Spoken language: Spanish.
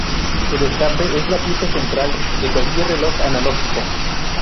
El escape es la pieza central de cualquier reloj analógico.